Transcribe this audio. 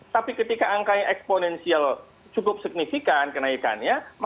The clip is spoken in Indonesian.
tapi ketika angkanya eksponensial cukup signifikan kenaikannya